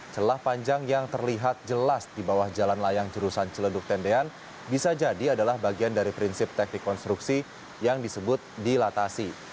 celah panjang yang terlihat jelas di bawah jalan layang jurusan celeduk tendean bisa jadi adalah bagian dari prinsip teknik konstruksi yang disebut dilatasi